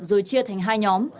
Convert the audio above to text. rồi chia thành hai nhóm